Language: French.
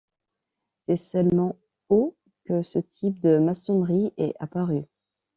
C'est seulement au que ce type de maçonnerie est apparu.